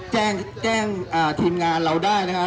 แจ้งแจ้งทีมงานเราได้นะครับ